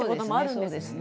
そうですね。